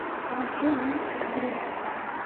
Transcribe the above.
Ángel L. Cabrera.